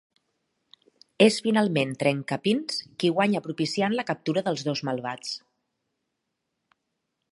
És finalment Trencapins qui guanya propiciant la captura dels dos malvats.